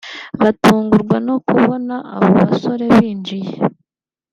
batungurwa no kubona abo basore binjiye